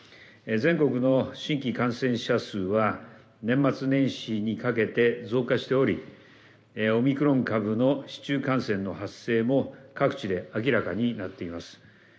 全国の新規感染者数は、年末年始にかけて増加しており、オミクロン株の市中感染の発生も、各地で明らかになっています。